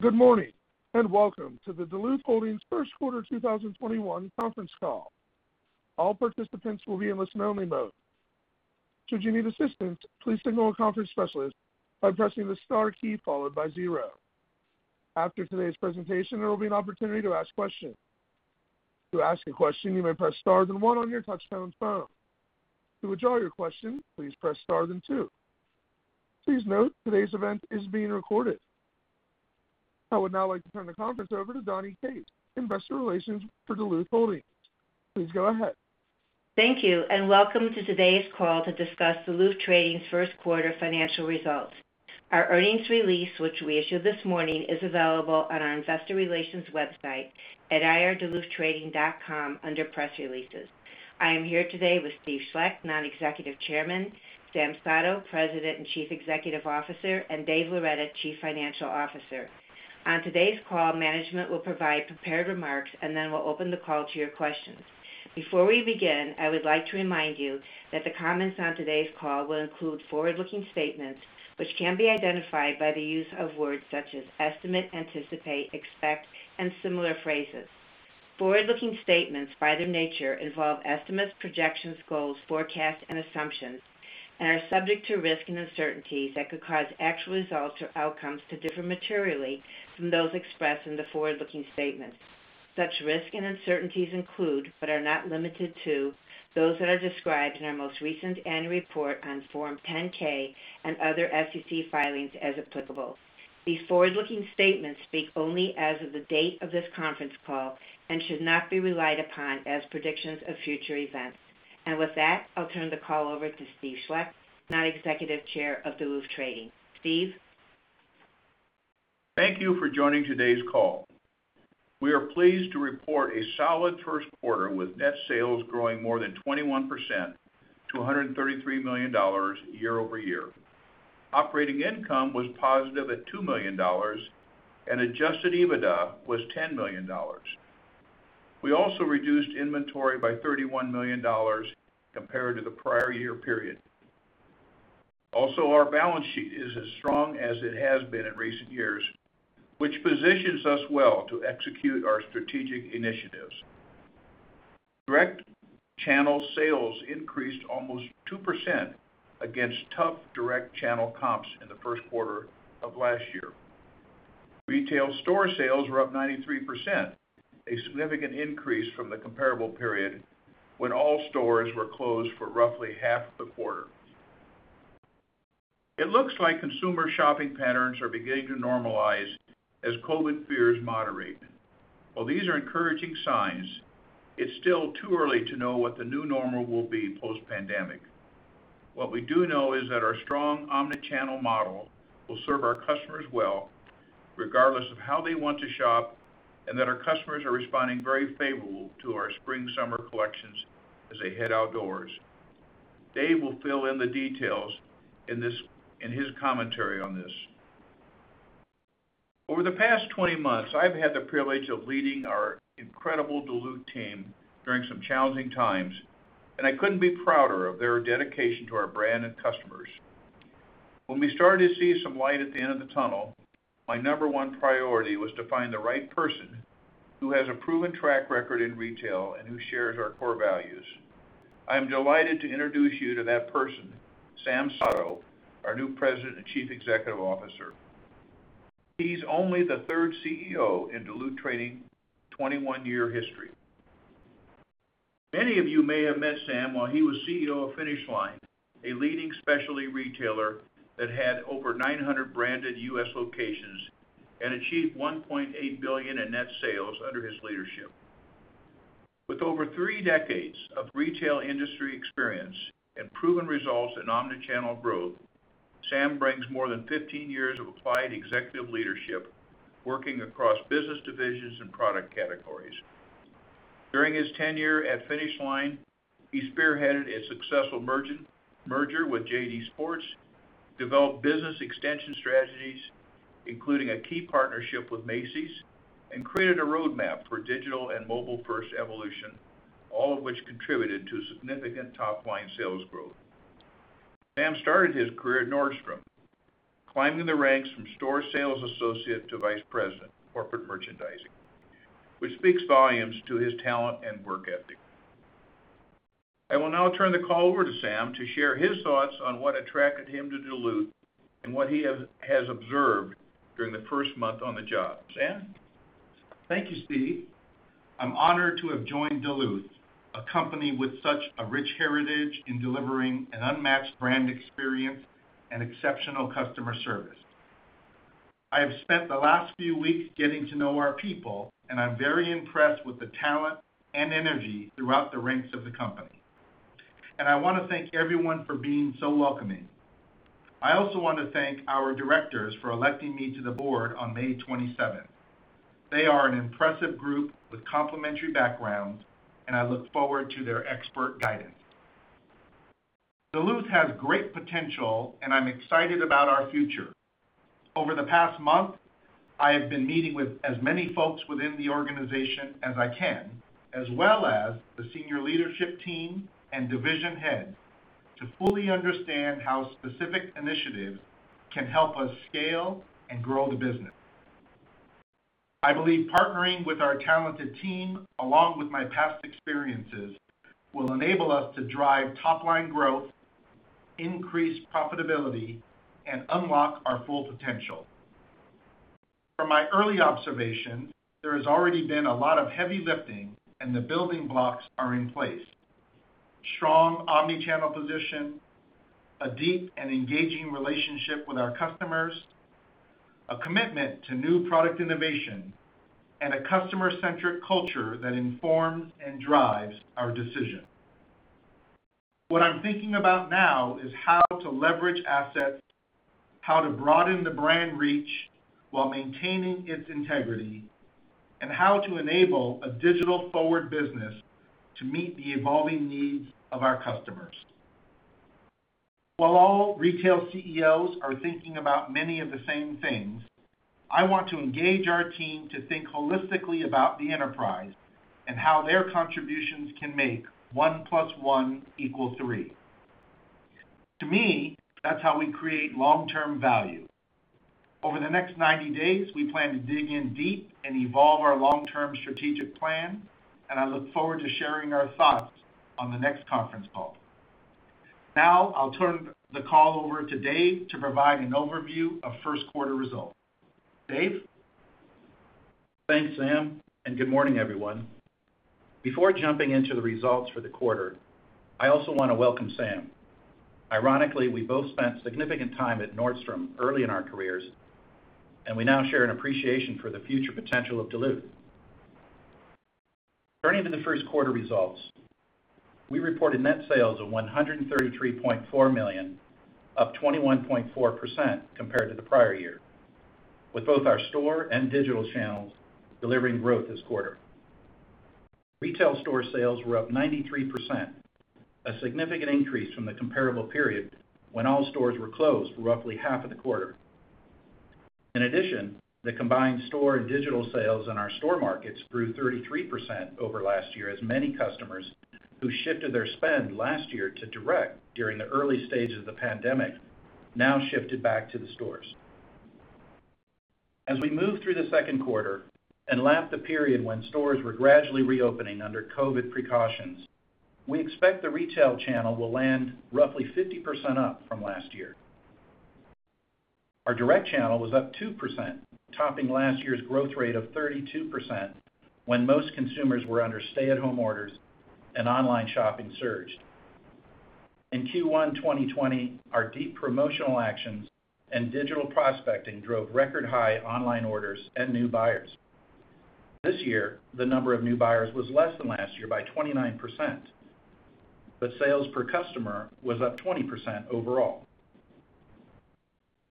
Good morning, welcome to the Duluth Holdings First Quarter 2021 conference call. All participants will be in listen-only mode. After today's presentation, there will be an opportunity to ask questions. Please note today's event is being recorded. I would now like to turn the conference over to Nitza McKee, Investor Relations for Duluth Holdings. Please go ahead. Thank you, and welcome to today's call to discuss Duluth Trading's first quarter financial results. Our earnings release, which we issued this morning, is available on our investor relations website at ir.duluthtrading.com under Press Releases. I am here today with Steve Schlecht, Non-Executive Chairman, Sam Sato, President and Chief Executive Officer, and Dave Loretta, Chief Financial Officer. On today's call, management will provide prepared remarks, and then we'll open the call to your questions. Before we begin, I would like to remind you that the comments on today's call will include forward-looking statements, which can be identified by the use of words such as estimate, anticipate, expect, and similar phrases. Forward-looking statements, by their nature, involve estimates, projections, goals, forecasts, and assumptions, and are subject to risks and uncertainties that could cause actual results or outcomes to differ materially from those expressed in the forward-looking statements. Such risks and uncertainties include, but are not limited to, those that are described in our most recent annual report on Form 10-K and other SEC filings, as applicable. These forward-looking statements speak only as of the date of this conference call and should not be relied upon as predictions of future events. With that, I'll turn the call over to Steve Schlecht, Non-Executive Chair of Duluth Trading. Steve? Thank you for joining today's call. We are pleased to report a solid first quarter with net sales growing more than 21% to $133 million year-over-year. Operating income was positive at $2 million, and adjusted EBITDA was $10 million. We also reduced inventory by $31 million compared to the prior year period. Also, our balance sheet is as strong as it has been in recent years, which positions us well to execute our strategic initiatives. Direct channel sales increased almost 2% against tough direct channel comps in the first quarter of last year. Retail store sales were up 93%, a significant increase from the comparable period when all stores were closed for roughly half the quarter. It looks like consumer shopping patterns are beginning to normalize as COVID fears moderate. While these are encouraging signs, it's still too early to know what the new normal will be post-pandemic. What we do know is that our strong omnichannel model will serve our customers well regardless of how they want to shop. Our customers are responding very favorably to our spring/summer collections as they head outdoors. Dave will fill in the details in his commentary on this. Over the past 20 months, I've had the privilege of leading our incredible Duluth team during some challenging times, and I couldn't be prouder of their dedication to our brand and customers. When we started to see some light at the end of the tunnel, my number one priority was to find the right person who has a proven track record in retail and who shares our core values. I'm delighted to introduce you to that person, Sam Sato, our new President and Chief Executive Officer. He's only the third CEO in Duluth Trading's 21-year history. Many of you may have met Sam while he was CEO of Finish Line, a leading specialty retailer that had over 900 branded U.S. locations and achieved $1.8 billion in net sales under his leadership. With over three decades of retail industry experience and proven results in omnichannel growth, Sam brings more than 15 years of applied executive leadership working across business divisions and product categories. During his tenure at Finish Line, he spearheaded a successful merger with JD Sports, developed business extension strategies, including a key partnership with Macy's, and created a roadmap for digital and mobile-first evolution, all of which contributed to significant top-line sales growth. Sam started his career at Nordstrom, climbing the ranks from store sales associate to vice president, corporate merchandising, which speaks volumes to his talent and work ethic. I will now turn the call over to Sam to share his thoughts on what attracted him to Duluth and what he has observed during the first month on the job. Sam? Thank you, Steve. I'm honored to have joined Duluth, a company with such a rich heritage in delivering an unmatched brand experience and exceptional customer service. I have spent the last few weeks getting to know our people. I'm very impressed with the talent and energy throughout the ranks of the company. I want to thank everyone for being so welcoming. I also want to thank our directors for electing me to the board on May 27th. They are an impressive group with complementary backgrounds. I look forward to their expert guidance. Duluth has great potential. I'm excited about our future. Over the past month, I have been meeting with as many folks within the organization as I can, as well as the senior leadership team and division heads, to fully understand how specific initiatives can help us scale and grow the business. I believe partnering with our talented team, along with my past experiences, will enable us to drive top-line growth, increase profitability, and unlock our full potential. From my early observations, there has already been a lot of heavy lifting, and the building blocks are in place. Strong omnichannel position, a deep and engaging relationship with our customers, a commitment to new product innovation, and a customer-centric culture that informs and drives our decisions. What I'm thinking about now is how to leverage assets, how to broaden the brand reach while maintaining its integrity, and how to enable a digital-forward business to meet the evolving needs of our customers. While all retail CEOs are thinking about many of the same things, I want to engage our team to think holistically about the enterprise and how their contributions can make one plus one equal three. To me, that's how we create long-term value. Over the next 90 days, we plan to dig in deep and evolve our long-term strategic plan, and I look forward to sharing our thoughts on the next conference call. Now, I'll turn the call over to Dave to provide an overview of first quarter results. Dave? Thanks, Sam. Good morning, everyone. Before jumping into the results for the quarter, I also want to welcome Sam. Ironically, we both spent significant time at Nordstrom early in our careers, and we now share an appreciation for the future potential of Duluth. Turning to the first quarter results, we reported net sales of $133.4 million, up 21.4% compared to the prior year, with both our store and digital channels delivering growth this quarter. Retail store sales were up 93%, a significant increase from the comparable period when all stores were closed for roughly half of the quarter. In addition, the combined store and digital sales in our store markets grew 33% over last year as many customers who shifted their spend last year to direct during the early stages of the pandemic now shifted back to the stores. As we move through the second quarter and lap the period when stores were gradually reopening under COVID precautions, we expect the retail channel will land roughly 50% up from last year. Our direct channel was up 2%, topping last year's growth rate of 32% when most consumers were under stay-at-home orders and online shopping surged. In Q1 2020, our deep promotional actions and digital prospecting drove record high online orders and new buyers. This year, the number of new buyers was less than last year by 29%, but sales per customer was up 20% overall.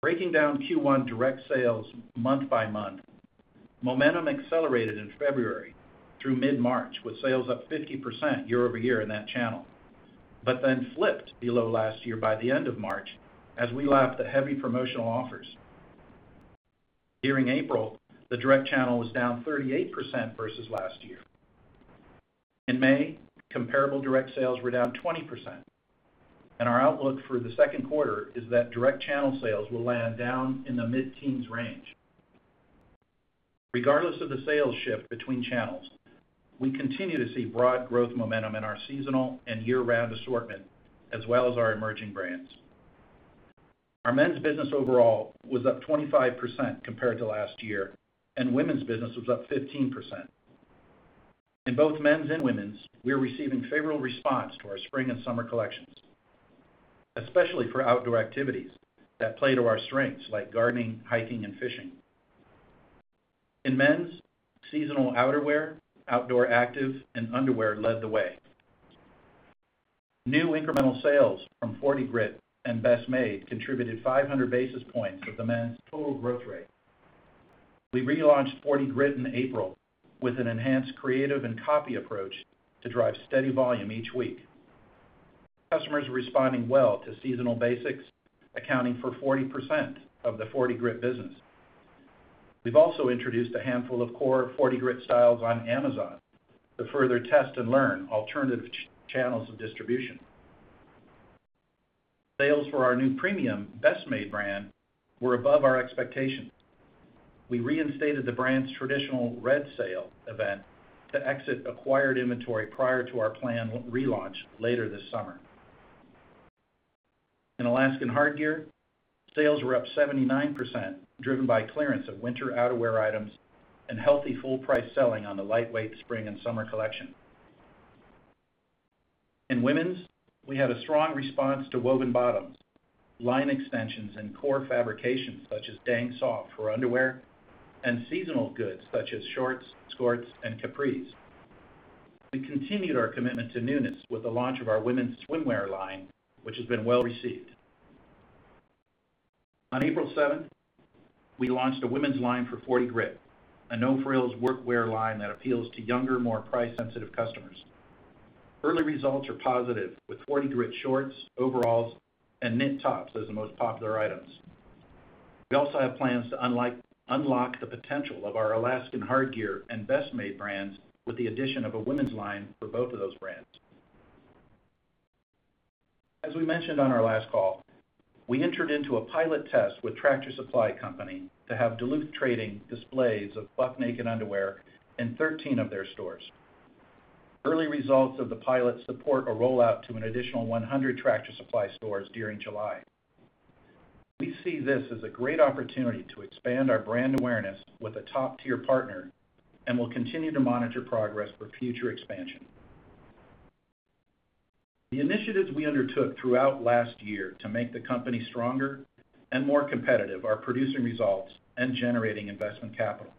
Breaking down Q1 direct sales month by month, momentum accelerated in February through mid-March, with sales up 50% year-over-year in that channel, but then flipped below last year by the end of March as we lapped the heavy promotional offers. During April, the direct channel was down 38% versus last year. In May, comparable direct sales were down 20%, and our outlook for the second quarter is that direct channel sales will land down in the mid-teens range. Regardless of the sales shift between channels, we continue to see broad growth momentum in our seasonal and year-round assortment, as well as our emerging brands. Our men's business overall was up 25% compared to last year, and women's business was up 15%. In both men's and women's, we are receiving favorable response to our spring and summer collections, especially for outdoor activities that play to our strengths like gardening, hiking, and fishing. In men's, seasonal outerwear, outdoor active, and underwear led the way. New incremental sales from 40 Grit and Best Made contributed 500 basis points of the men's total growth rate. We relaunched 40 Grit in April with an enhanced creative and copy approach to drive steady volume each week. Customers are responding well to seasonal basics, accounting for 40% of the 40 Grit business. We've also introduced a handful of core 40 Grit styles on Amazon to further test and learn alternative channels of distribution. Sales for our new premium Best Made brand were above our expectations. We reinstated the brand's traditional red sale event to exit acquired inventory prior to our planned relaunch later this summer. In Alaskan Hardgear, sales were up 79%, driven by clearance of winter outerwear items and healthy full price selling on the lightweight spring and summer collection. In women's, we had a strong response to woven bottoms, line extensions in core fabrications such as Dang Soft for underwear, and seasonal goods such as shorts, skorts, and capris. We continued our commitment to newness with the launch of our women's swimwear line, which has been well-received. On April 7, we launched a women's line for 40 Grit, a no-frills workwear line that appeals to younger, more price-sensitive customers. Early results are positive with 40 Grit shorts, overalls, and knit tops as the most popular items. We also have plans to unlock the potential of our Alaskan Hardgear and Best Made brands with the addition of a women's line for both of those brands. As we mentioned on our last call, we entered into a pilot test with Tractor Supply Company to have Duluth Trading displays of Buck Naked underwear in 13 of their stores. Early results of the pilot support a rollout to an additional 100 Tractor Supply stores during July. We see this as a great opportunity to expand our brand awareness with a top-tier partner, and will continue to monitor progress for future expansion. The initiatives we undertook throughout last year to make the company stronger and more competitive are producing results and generating investment capital.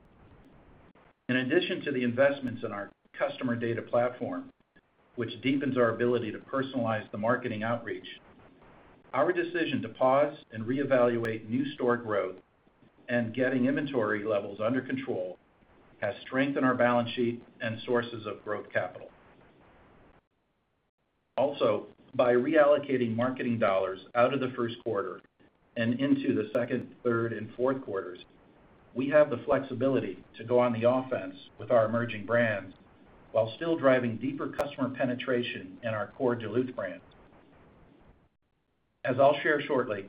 In addition to the investments in our customer data platform, which deepens our ability to personalize the marketing outreach, our decision to pause and reevaluate new store growth and getting inventory levels under control has strengthened our balance sheet and sources of growth capital. Also, by reallocating marketing dollars out of the first quarter and into the second, third, and fourth quarters, we have the flexibility to go on the offense with our emerging brands while still driving deeper customer penetration in our core Duluth brand. As I'll share shortly,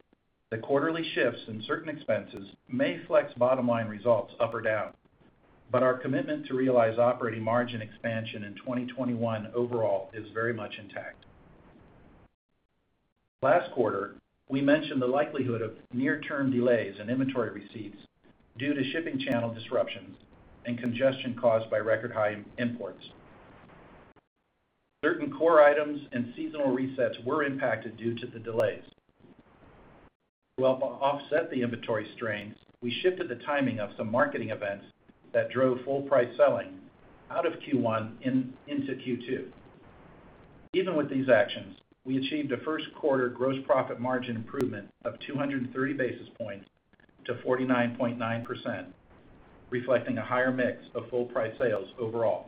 the quarterly shifts in certain expenses may flex bottom-line results up or down, but our commitment to realize operating margin expansion in 2021 overall is very much intact. Last quarter, we mentioned the likelihood of near-term delays in inventory receipts due to shipping channel disruptions and congestion caused by record high imports. Certain core items and seasonal resets were impacted due to the delays. To help offset the inventory strains, we shifted the timing of some marketing events that drove full price selling out of Q1 into Q2. Even with these actions, we achieved a first quarter gross profit margin improvement of 230 basis points to 49.9%, reflecting a higher mix of full price sales overall.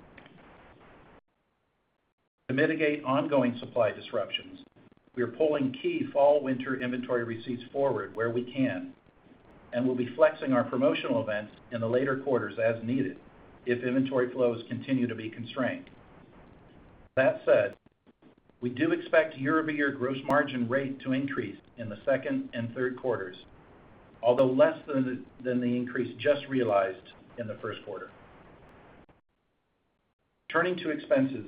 To mitigate ongoing supply disruptions, we are pulling key fall/winter inventory receipts forward where we can, and will be flexing our promotional events in the later quarters as needed if inventory flows continue to be constrained. That said, we do expect year-over-year gross margin rate to increase in the second and third quarters, although less than the increase just realized in the first quarter. Turning to expenses,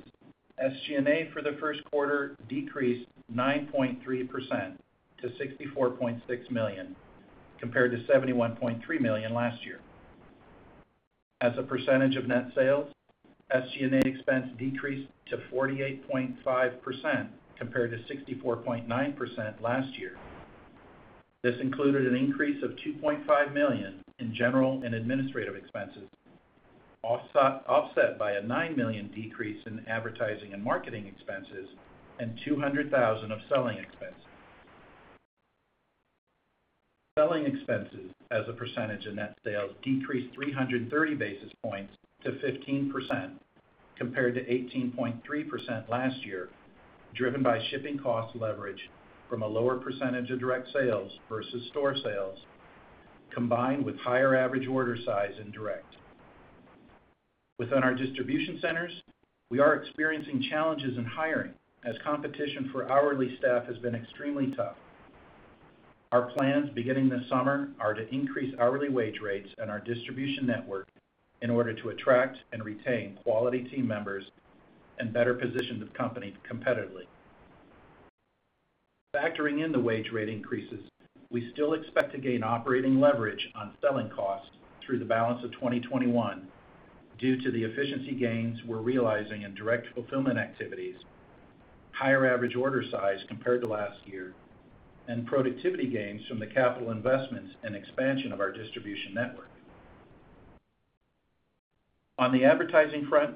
SG&A for the first quarter decreased 9.3% to $64.6 million, compared to $71.3 million last year. As a percentage of net sales, SG&A expense decreased to 48.5%, compared to 64.9% last year. This included an increase of $2.5 million in general and administrative expenses, offset by a $9 million decrease in advertising and marketing expenses and $200,000 of selling expenses. Selling expenses as a percentage of net sales decreased 330 basis points to 15%, compared to 18.3% last year, driven by shipping cost leverage from a lower percentage of direct sales versus store sales, combined with higher average order size in direct. Within our distribution centers, we are experiencing challenges in hiring, as competition for hourly staff has been extremely tough. Our plans beginning this summer are to increase hourly wage rates in our distribution network in order to attract and retain quality team members and better position the company competitively. Factoring in the wage rate increases, we still expect to gain operating leverage on selling costs through the balance of 2021 due to the efficiency gains we're realizing in direct fulfillment activities, higher average order size compared to last year, and productivity gains from the capital investments and expansion of our distribution network. On the advertising front,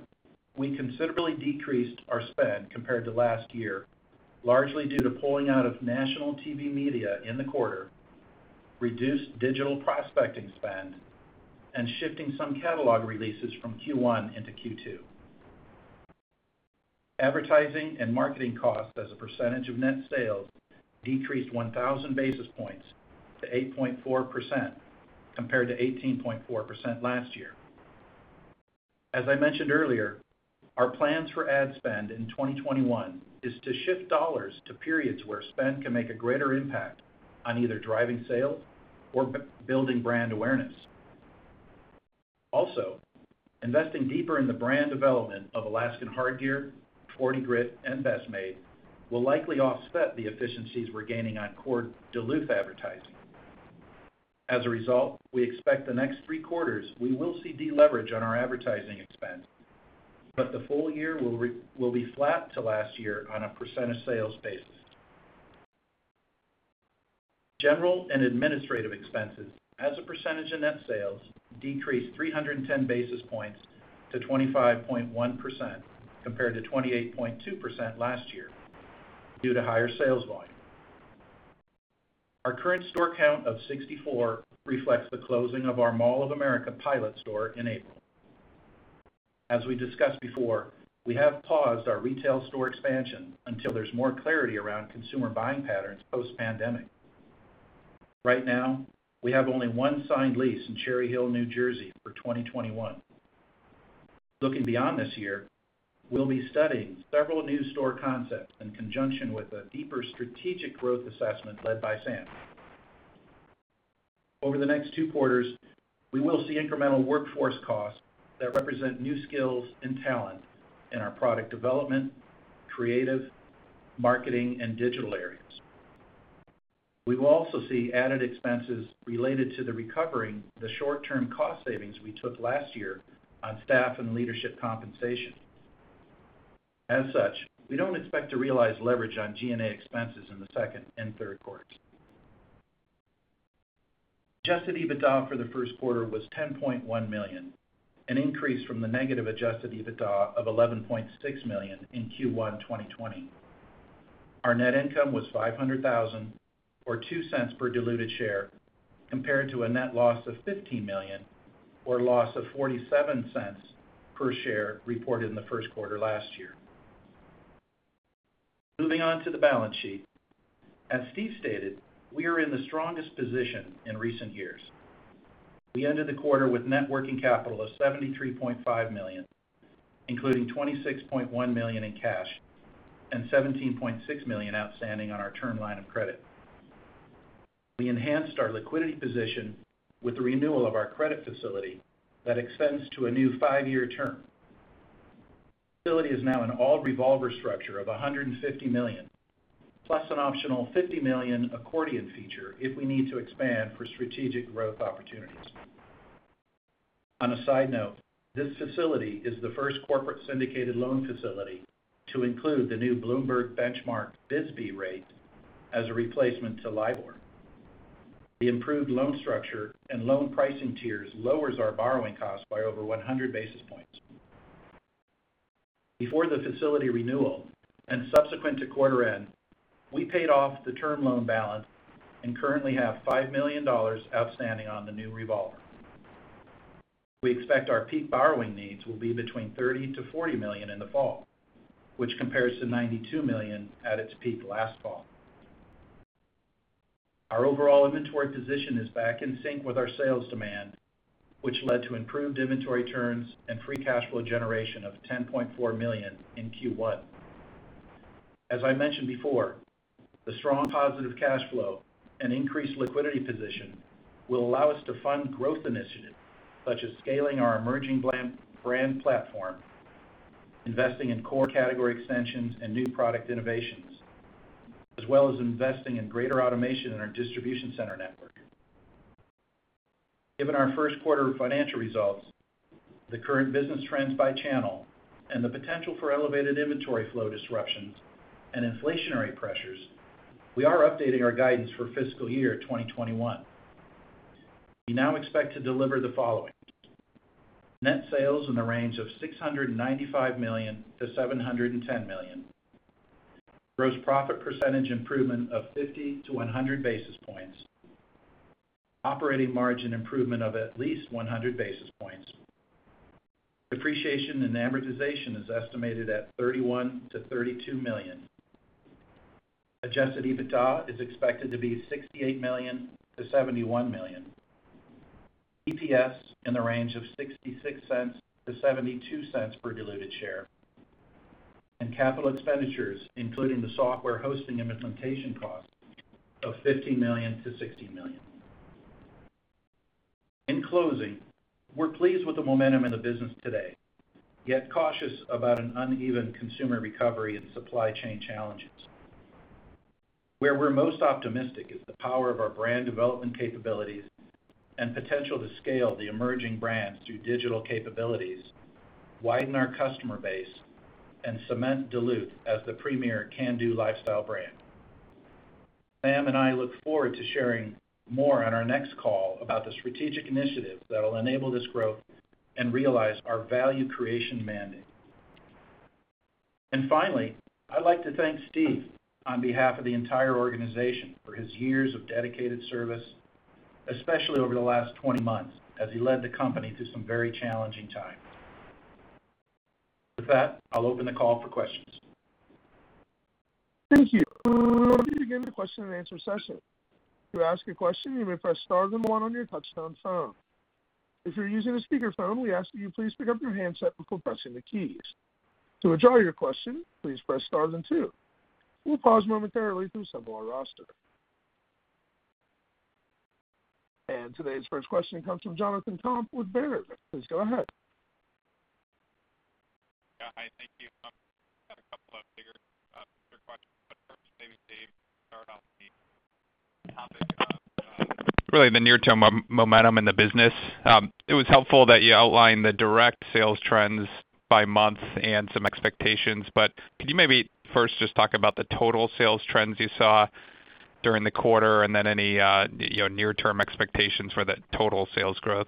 we considerably decreased our spend compared to last year, largely due to pulling out of national TV media in the quarter, reduced digital prospecting spend, and shifting some catalog releases from Q1 into Q2. Advertising and marketing costs as a percentage of net sales decreased 1,000 basis points to 8.4%, compared to 18.4% last year. As I mentioned earlier, our plans for ad spend in 2021 is to shift dollars to periods where spend can make a greater impact on either driving sales or building brand awareness. Also, investing deeper in the brand development of Alaskan Hardgear, 40 Grit, and Best Made will likely offset the efficiencies we're gaining on core Duluth advertising. As a result, we expect the next three quarters, we will see de-leverage on our advertising expense, but the full year will be flat to last year on a percent of sales basis. General and administrative expenses as a percentage of net sales decreased 310 basis points to 25.1%, compared to 28.2% last year, due to higher sales volume. Our current store count of 64 reflects the closing of our Mall of America pilot store in April. As we discussed before, we have paused our retail store expansion until there's more clarity around consumer buying patterns post-pandemic. Right now, we have only one signed lease in Cherry Hill, New Jersey for 2021. Looking beyond this year, we'll be studying several new store concepts in conjunction with a deeper strategic growth assessment led by Sam. Over the next two quarters, we will see incremental workforce costs that represent new skills and talent in our product development, creative, marketing, and digital areas. We will also see added expenses related to the recovering the short-term cost savings we took last year on staff and leadership compensation. As such, we don't expect to realize leverage on G&A expenses in the second and third quarters. Adjusted EBITDA for the first quarter was $10.1 million, an increase from the negative adjusted EBITDA of $11.6 million in Q1 2020. Our net income was $500,000, or $0.02 per diluted share, compared to a net loss of $15 million, or a loss of $0.47 per share reported in the first quarter last year. Moving on to the balance sheet. As Steve stated, we are in the strongest position in recent years. We ended the quarter with net working capital of $73.5 million, including $26.1 million in cash and $17.6 million outstanding on our term line of credit. We enhanced our liquidity position with the renewal of our credit facility that extends to a new five-year term. The facility is now an all revolver structure of $150 million, plus an optional $50 million accordion feature if we need to expand for strategic growth opportunities. On a side note, this facility is the first corporate syndicated loan facility to include the new Bloomberg Benchmark BSBY rate as a replacement to LIBOR. The improved loan structure and loan pricing tiers lowers our borrowing cost by over 100 basis points. Before the facility renewal and subsequent to quarter end, we paid off the term loan balance and currently have $5 million outstanding on the new revolver. We expect our peak borrowing needs will be between $30 million-$40 million in the fall, which compares to $92 million at its peak last fall. Our overall inventory position is back in sync with our sales demand, which led to improved inventory turns and free cash flow generation of $10.4 million in Q1. As I mentioned before, the strong positive cash flow and increased liquidity position will allow us to fund growth initiatives such as scaling our emerging brand platform, investing in core category extensions and new product innovations, as well as investing in greater automation in our distribution center network. Given our first quarter financial results, the current business trends by channel, and the potential for elevated inventory flow disruptions and inflationary pressures, we are updating our guidance for fiscal year 2021. We now expect to deliver the following. Net sales in the range of $695 million-$710 million. Gross profit percentage improvement of 50 basis points-100 basis points. Operating margin improvement of at least 100 basis points. Depreciation and amortization is estimated at $31 million-$32 million. Adjusted EBITDA is expected to be $68 million-$71 million. EPS in the range of $0.66-$0.72 per diluted share. Capital expenditures, including the software hosting and implementation costs, of $50 million-$60 million. In closing, we're pleased with the momentum in the business today, yet cautious about an uneven consumer recovery and supply chain challenges. Where we're most optimistic is the power of our brand development capabilities and potential to scale the emerging brands through digital capabilities, widen our customer base, and cement Duluth as the premier can-do lifestyle brand. Sam and I look forward to sharing more on our next call about the strategic initiatives that will enable this growth and realize our value creation mandate. Finally, I'd like to thank Steve on behalf of the entire organization for his years of dedicated service, especially over the last 20 months as he led the company through some very challenging times. With that, I'll open the call for questions. Thank you. We will begin the question and answer session. Today's first question comes from Jonathan Komp with Baird. Please go ahead. Yeah. Hi, Sam, I've got a couple of bigger picture questions. First, maybe Dave, start off with me commenting on really the near-term momentum in the business. It was helpful that you outlined the direct sales trends by month and some expectations. Could you maybe first just talk about the total sales trends you saw during the quarter and then any near-term expectations for that total sales growth?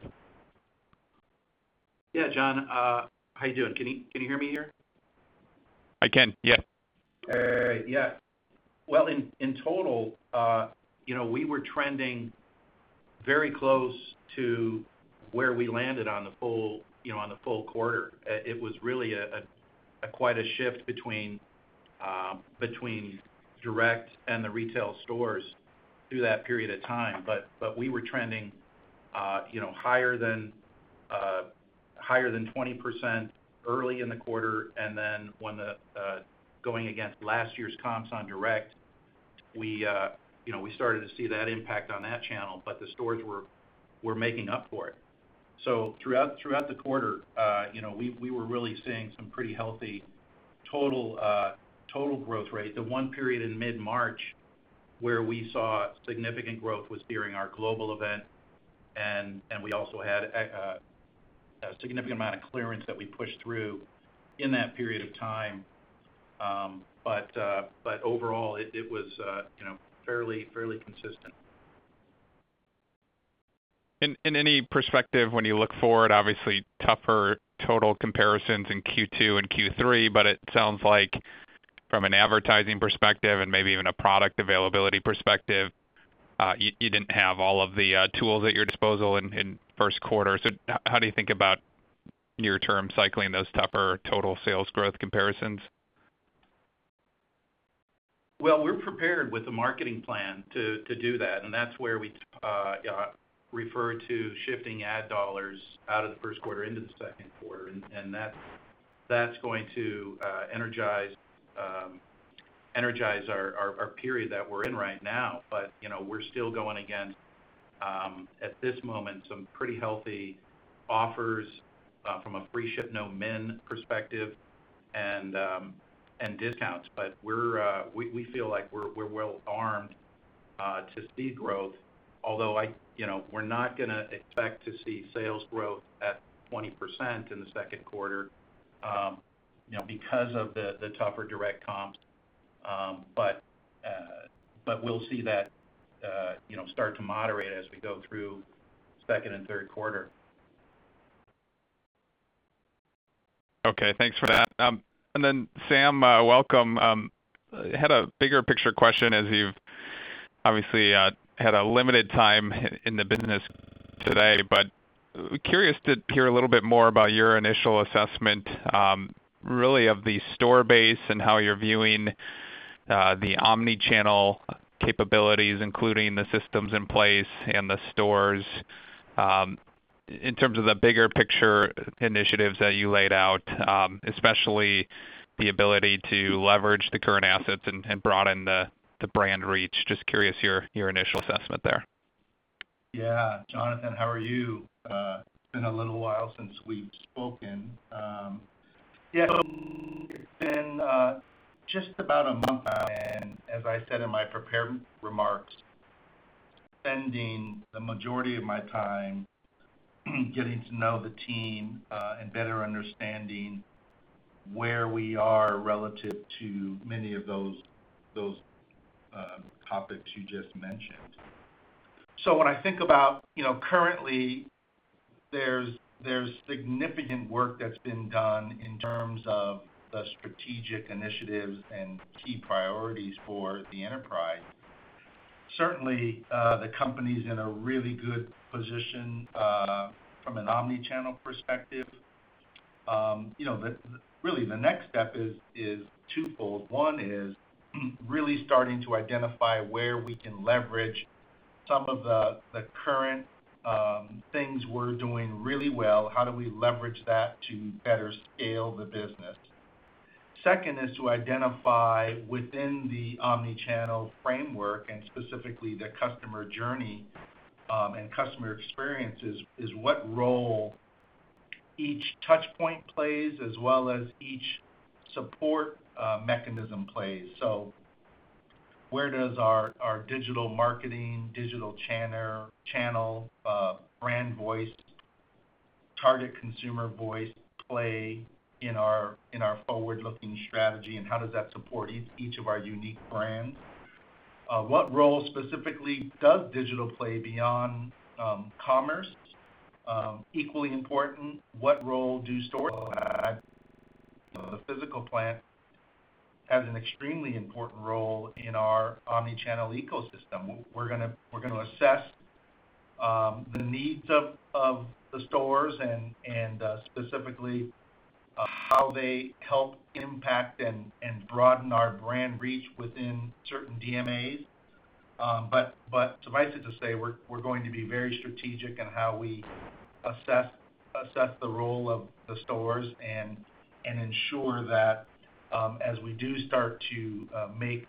Yeah, Jon. How you doing? Can you hear me here? I can. Yeah. Yeah. Well, in total, we were trending very close to where we landed on the full quarter. It was really quite a shift between direct and the retail stores through that period of time. We were trending higher than 20% early in the quarter. Then going against last year's comps on direct, we started to see that impact on that channel, but the stores were making up for it. Throughout the quarter, we were really seeing some pretty healthy total growth rates. The one period in mid-March where we saw significant growth was during our global event, and we also had a significant amount of clearance that we pushed through in that period of time. Overall, it was fairly consistent. In any perspective, when you look forward, obviously tougher total comparisons in Q2 and Q3, but it sounds like from an advertising perspective and maybe even a product availability perspective, you didn't have all of the tools at your disposal in first quarter. How do you think about near term cycling, those tougher total sales growth comparisons? Well, we're prepared with the marketing plan to do that, and that's where we refer to shifting ad dollars out of the first quarter into the second quarter, and that's going to energize our period that we're in right now. We're still going against, at this moment, some pretty healthy offers from a free ship, no min perspective and discounts. We feel like we're well-armed to see growth, although we're not going to expect to see sales growth at 20% in the second quarter because of the tougher direct comps. We'll see that start to moderate as we go through second and third quarter. Okay. Thanks for that. Then Sam, welcome. Had a bigger picture question as you've obviously had a limited time in the business today, but curious to hear a little bit more about your initial assessment, really of the store base and how you're viewing the omnichannel capabilities, including the systems in place and the stores, in terms of the bigger picture initiatives that you laid out, especially the ability to leverage the current assets and broaden the brand reach. Just curious your initial assessment there. Jonathan, how are you? It's been a little while since we've spoken. It's been just about a month now, and as I said in my prepared remarks, spending the majority of my time getting to know the team and better understanding where we are relative to many of those topics you just mentioned. When I think about currently, there's significant work that's been done in terms of the strategic initiatives and key priorities for the enterprise. Certainly, the company's in a really good position from an omnichannel perspective. Really the next step is twofold. One is really starting to identify where we can leverage some of the current things we're doing really well. How do we leverage that to better scale the business? Second is to identify within the omnichannel framework, and specifically the customer journey, and customer experiences, is what role each touch point plays as well as each support mechanism plays. Where does our digital marketing, digital channel, brand voice, target consumer voice play in our forward-looking strategy, and how does that support each of our unique brands? What role specifically does digital play beyond commerce? Equally important, what role do stores play? The physical plant has an extremely important role in our omnichannel ecosystem. We're going to assess the needs of the stores and specifically how they help impact and broaden our brand reach within certain DMAs. Suffice it to say, we're going to be very strategic in how we assess the role of the stores and ensure that as we do start to make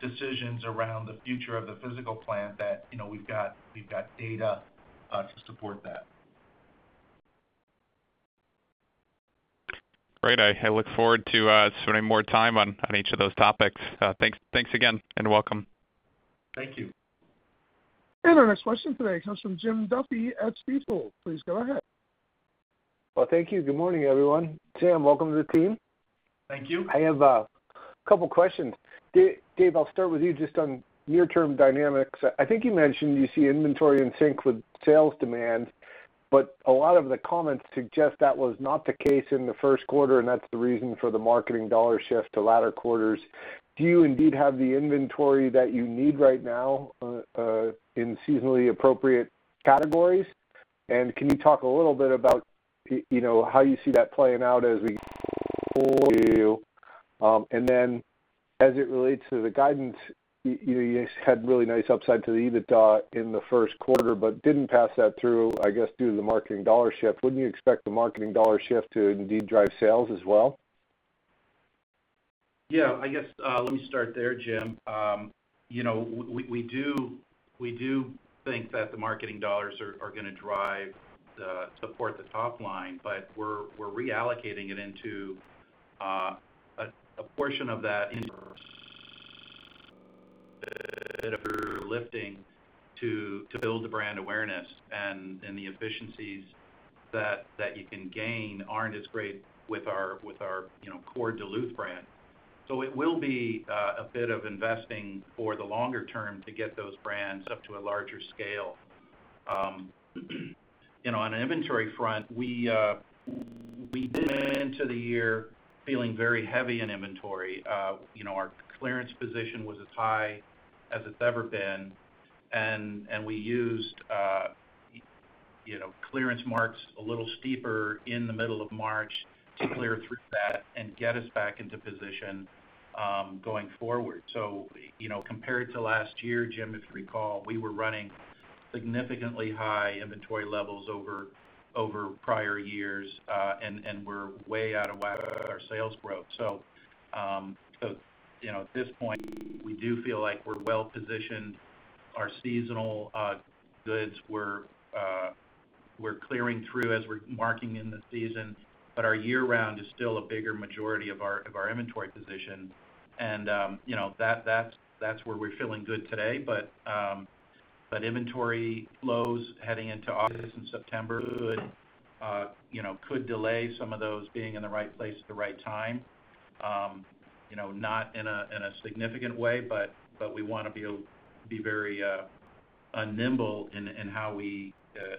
decisions around the future of the physical plant, that we've got data to support that. Great. I look forward to spending more time on each of those topics. Thanks again, and welcome. Thank you. Our next question today comes from Jim Duffy at Stifel. Please go ahead. Well, thank you. Good morning, everyone. Sam, welcome to the team. Thank you. A couple of questions. Dave, I'll start with you just on near-term dynamics. I think you mentioned you see inventory in sync with sales demand, but a lot of the comments suggest that was not the case in the first quarter, and that's the reason for the marketing dollar shift to latter quarters. Do you indeed have the inventory that you need right now in seasonally appropriate categories? Can you talk a little bit about how you see that playing out as we forward? As it relates to the guidance, you guys had really nice upside to the EBITDA in the first quarter, but didn't pass that through, I guess, due to the marketing dollar shift. Wouldn't you expect the marketing dollar shift to indeed drive sales as well? Yeah, I guess let me start there, Jim. We do think that the marketing dollars are going to support the top line, but we're reallocating it into a portion of that lifting to build the brand awareness, and the efficiencies that you can gain aren't as great with our core Duluth brand. It will be a bit of investing for the longer term to get those brands up to a larger scale. On the inventory front, we went into the year feeling very heavy in inventory. Our clearance position was as high as it's ever been, and we used clearance marks a little steeper in the middle of March to clear through that and get us back into position going forward. Compared to last year, Jim, if you recall, we were running significantly high inventory levels over prior years, and we're way out of our sales growth. At this point, we do feel like we're well-positioned. Our seasonal goods we're clearing through as we're marking in the season, but our year-round is still a bigger majority of our inventory position. That's where we're feeling good today. Inventory flows heading into August and September could delay some of those being in the right place at the right time. Not in a significant way, but we want to be very nimble in how we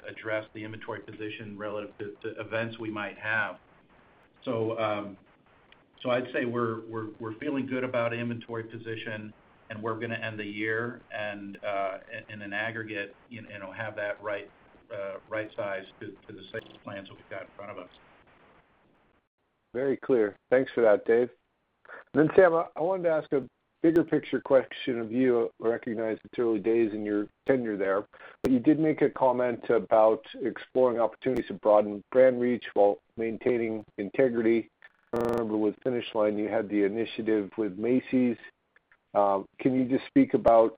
address the inventory position relative to events we might have. I'd say we're feeling good about inventory position and we're going to end the year and in an aggregate have that right size to the sales plans we've got in front of us. Very clear. Thanks for that, Dave. Then Sam, I wanted to ask a bigger picture question of you, recognizing it's early days in your tenure there. You did make a comment about exploring opportunities to broaden brand reach while maintaining integrity. I remember with Finish Line, you had the initiative with Macy's. Can you just speak about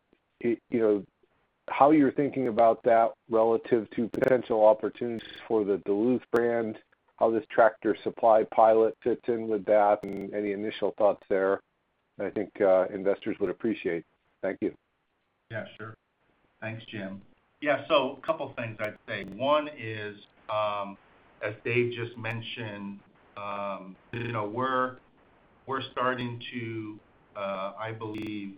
how you're thinking about that relative to potential opportunities for the Duluth brand, how this Tractor Supply pilot fits in with that, and any initial thoughts there? I think investors would appreciate it. Thank you. Yeah, sure. Thanks, Jim. A couple things I'd say. One is as Dave just mentioned, we're starting to I believe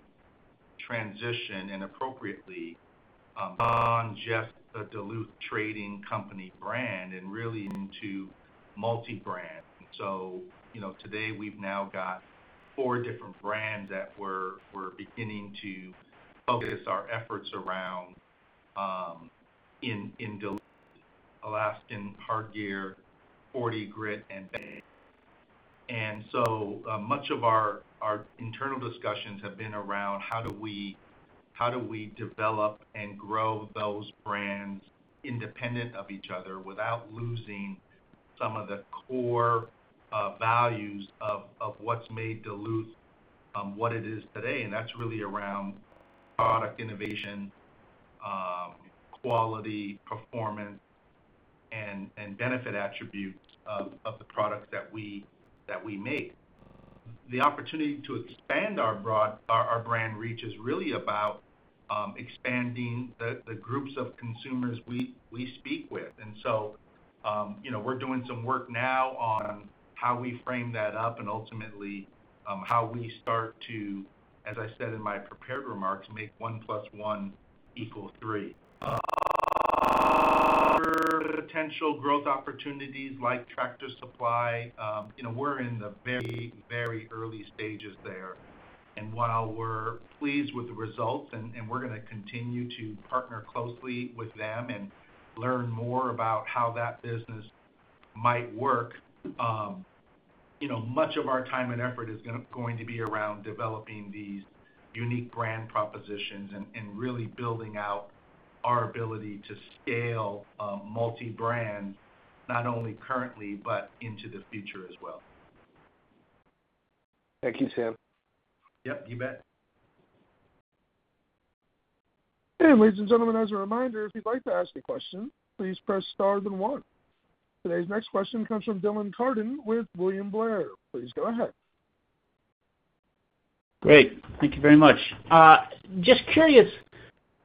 transition inappropriately beyond just a Duluth Trading Company brand and really into multi-brand. Today we've now got four different brands that we're beginning to focus our efforts around in Duluth. Alaskan Hardgear, 40 Grit, and FADE. Much of our internal discussions have been around how do we develop and grow those brands independent of each other without losing some of the core values of what's made Duluth what it is today, and that's really around product innovation, quality, performance, and benefit attributes of the products that we make. The opportunity to expand our brand reach is really about expanding the groups of consumers we speak with. We're doing some work now on how we frame that up and ultimately how we start to, as I said in my prepared remarks, make one plus one equal three. Other potential growth opportunities like Tractor Supply, we're in the very early stages there. We're pleased with the results and we're going to continue to partner closely with them and learn more about how that business might work, much of our time and effort is going to be around developing these unique brand propositions and really building out our ability to scale multi-brand, not only currently, but into the future as well. Thank you, Sam. Yep, you bet. Ladies and gentlemen, Today's next question comes from Dylan Carden with William Blair. Please go ahead. Great. Thank you very much. Just curious.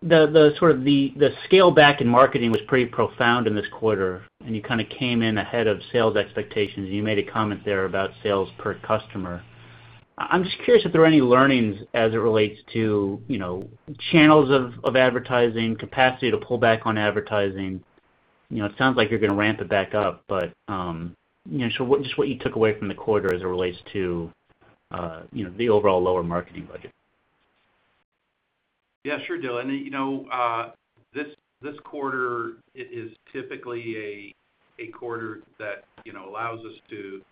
The scale back in marketing was pretty profound in this quarter, and you came in ahead of sales expectations. You made a comment there about sales per customer. I'm just curious if there are any learnings as it relates to channels of advertising, capacity to pull back on advertising. It sounds like you're going to ramp it back up, but just what you took away from the quarter as it relates to the overall lower marketing budget. Yeah. Sure, Dylan. This quarter is typically a quarter that allows us to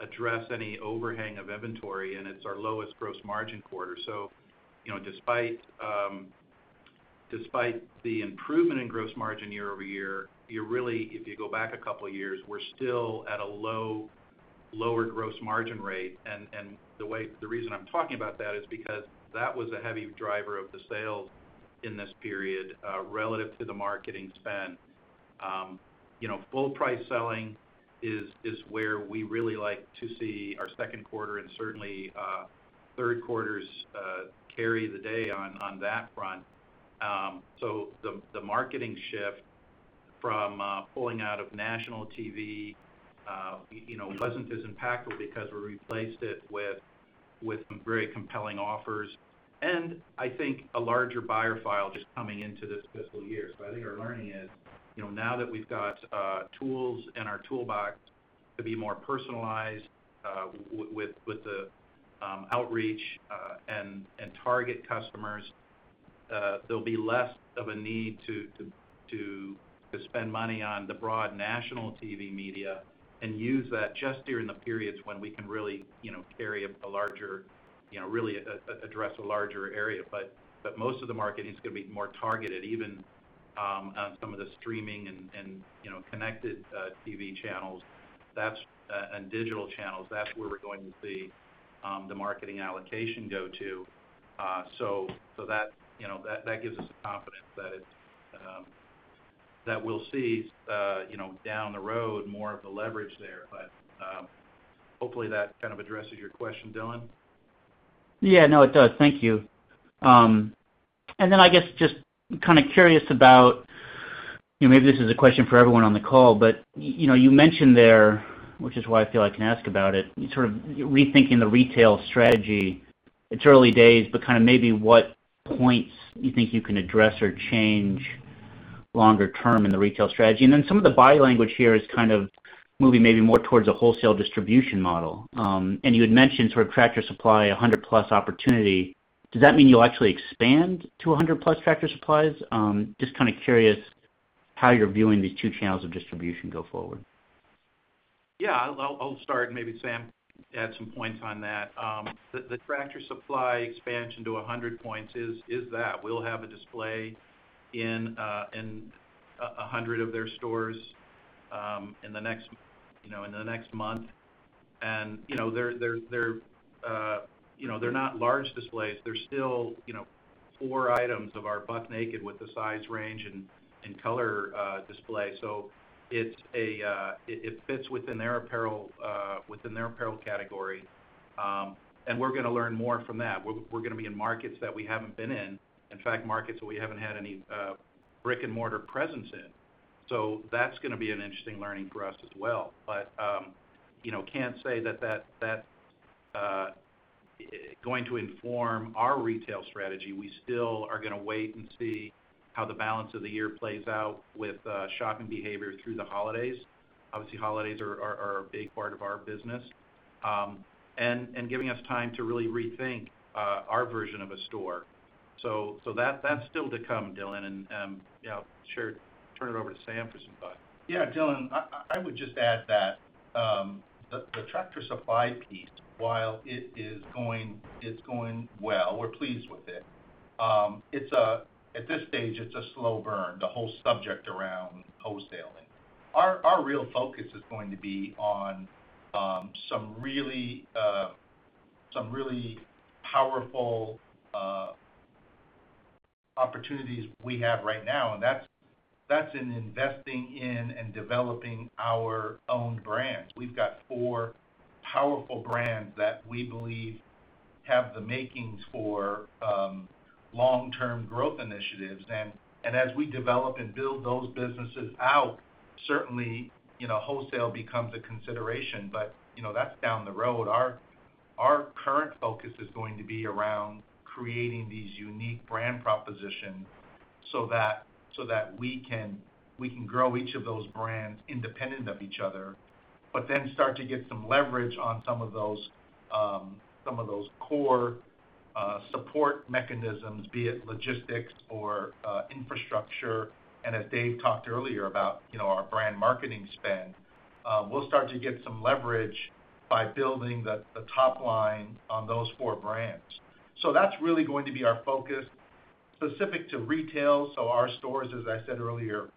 address any overhang of inventory, and it's our lowest gross margin quarter. Despite the improvement in gross margin year-over-year, if you go back a couple of years, we're still at a lower gross margin rate. The reason I'm talking about that is because that was a heavy driver of the sales in this period relative to the marketing spend. Full-price selling is where we really like to see our second quarter and certainly third quarters carry the day on that front. The marketing shift from pulling out of national TV wasn't as impactful because we replaced it with some very compelling offers and I think a larger buyer file just coming into this fiscal year. I think our learning is, now that we've got tools in our toolbox to be more personalized with the outreach and target customers, there'll be less of a need to spend money on the broad national TV media and use that just during the periods when we can really address a larger area. Most of the marketing is going to be more targeted, even on some of the streaming and connected TV channels and digital channels. That's where we're going to see the marketing allocation go to. That gives us confidence that we'll see down the road more of the leverage there. Hopefully that kind of addresses your question, Dylan. Yeah, no, it does. Thank you. I guess just kind of curious about, maybe this is a question for everyone on the call, but you mentioned there, which is why I feel like I can ask about it, sort of rethinking the retail strategy. It's early days, kind of maybe what points you think you can address or change longer term in the retail strategy. Some of the buy language here is kind of moving maybe more towards a wholesale distribution model. You had mentioned Tractor Supply 100+ opportunity. Does that mean you'll actually expand to 100+ Tractor Supplies? Just kind of curious how you're viewing these two channels of distribution go forward. Yeah, I'll start and maybe Sam can add some points on that. The Tractor Supply expansion to 100 points is that. We'll have a display in 100 of their stores in the next month. They're not large displays. They're still four items of our Buck Naked with the size range and color display. So it fits within their apparel category. And we're going to learn more from that. We're going to be in markets that we haven't been in. In fact, markets that we haven't had any brick and mortar presence in. So that's going to be an interesting learning for us as well. Can't say that that's going to inform our retail strategy. We still are going to wait and see how the balance of the year plays out with shopping behavior through the holidays. Obviously, holidays are a big part of our business. Giving us time to really rethink our version of a store. That's still to come, Dylan. I'll turn it over to Sam for some thoughts. Yeah, Dylan, I would just add that the Tractor Supply piece, while it's going well, we're pleased with it. At this stage, it's a slow burn, the whole subject around wholesaling. Our real focus is going to be on some really powerful opportunities we have right now, and that's in investing in and developing our own brands. We've got four powerful brands that we believe have the makings for long-term growth initiatives. As we develop and build those businesses out, certainly, wholesale becomes a consideration. That's down the road. Our current focus is going to be around creating these unique brand propositions so that we can grow each of those brands independent of each other, but then start to get some leverage on some of those core support mechanisms, be it logistics or infrastructure. As Dave talked earlier about our brand marketing spend, we'll start to get some leverage by building the top line on those four brands. That's really going to be our focus specific to retail. Our stores, as I said earlier,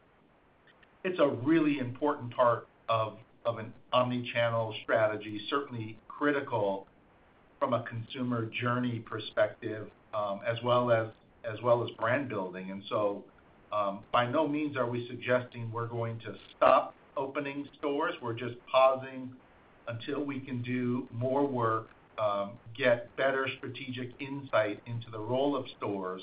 it's a really important part of an omnichannel strategy, certainly critical from a consumer journey perspective, as well as brand building. By no means are we suggesting we're going to stop opening stores. We're just pausing until we can do more work, get better strategic insight into the role of stores,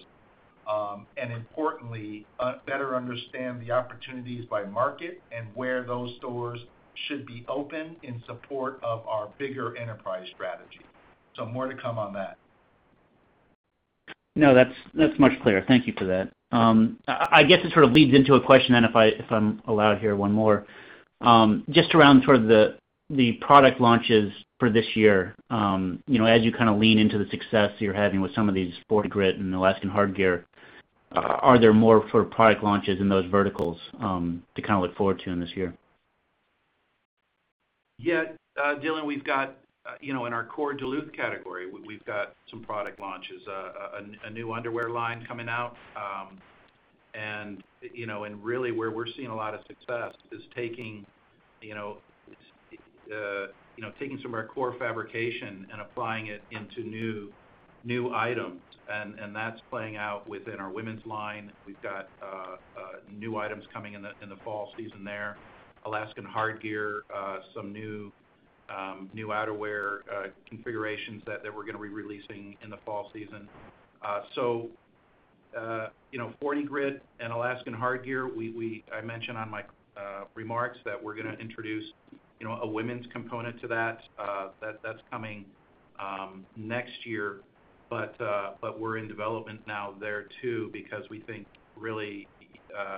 and importantly, better understand the opportunities by market and where those stores should be open in support of our bigger enterprise strategy. More to come on that. No, that's much clearer. Thank you for that. I guess this sort of leads into a question then, if I'm allowed here one more, just around sort of the product launches for this year. As you kind of lean into the success you're having with some of these 40 Grit and Alaskan Hardgear, are there more product launches in those verticals to look forward to in this year? Dylan, we've got in our core Duluth category, we've got some product launches. A new underwear line coming out, really where we're seeing a lot of success is taking some of our core fabrication and applying it into new items, and that's playing out within our women's line. We've got new items coming in the fall season there. Alaskan Hardgear, some new outerwear configurations that we're going to be releasing in the fall season. 40 Grit and Alaskan Hardgear, I mentioned on my remarks that we're going to introduce a women's component to that. That's coming next year. We're in development now there too, because we think really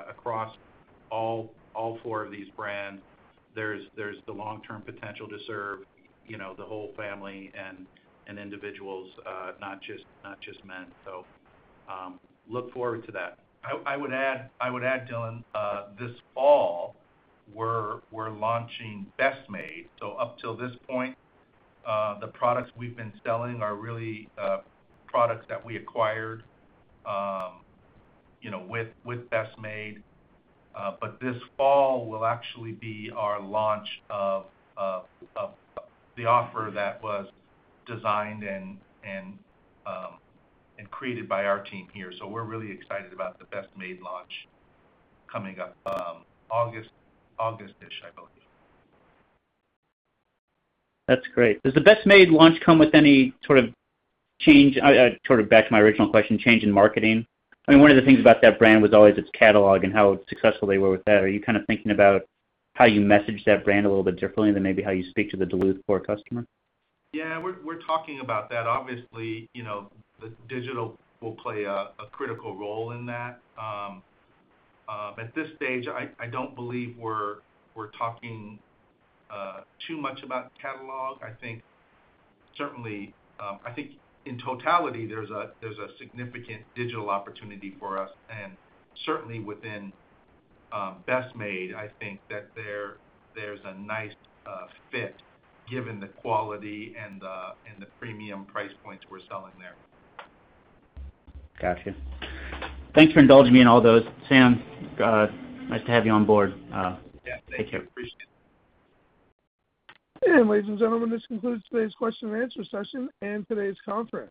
across all four of these brands, there's the long-term potential to serve the whole family and individuals, not just men. Look forward to that. I would add, Dylan, this fall, we're launching Best Made. Up till this point, the products we've been selling are really products that we acquired with Best Made. This fall will actually be our launch of the offer that was designed and created by our team here. We're really excited about the Best Made launch coming up August-ish, I believe. That's great. Does the Best Made launch come with any sort of change, back to my original question, change in marketing? One of the things about that brand was always its catalog and how successful they were with that. Are you thinking about how you message that brand a little bit differently than maybe how you speak to the Duluth core customer? Yeah, we're talking about that. Obviously, digital will play a critical role in that. At this stage, I don't believe we're talking too much about catalog. I think in totality, there's a significant digital opportunity for us, and certainly within Best Made, I think that there's a nice fit given the quality and the premium price points we're selling there. Got you. Thanks for indulging me on all those. Sam, nice to have you on board. Yeah. Take care. Appreciate it. Ladies and gentlemen, this concludes today's question and answer session and today's conference.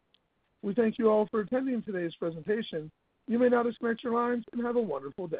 We thank you all for attending today's presentation. You may now disconnect your lines and have a wonderful day.